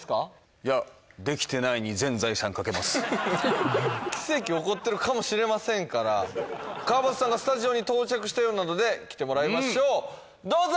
いや奇跡起こってるかもしれませんから川畑さんがスタジオに到着したようなので来てもらいましょうどうぞ！